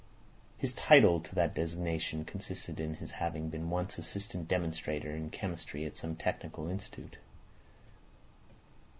His title to that designation consisted in his having been once assistant demonstrator in chemistry at some technical institute.